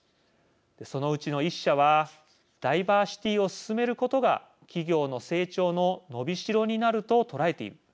そのうちの１社はダイバーシティを進めることが企業の成長の伸びしろになると捉えている。